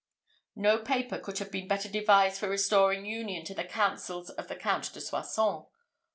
No paper could have been better devised for restoring union to the councils of the Count de Soissons.